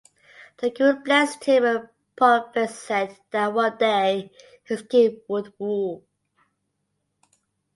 The Guru blessed him and prophesied that one day his kin would rule.